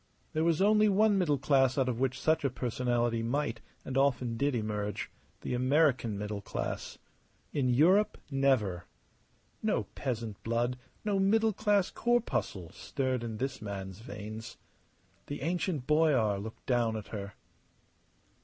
There was only one middle class out of which such a personality might, and often did, emerge the American middle class. In Europe, never. No peasant blood, no middle class corpuscle, stirred in this man's veins. The ancient boyar looked down at her.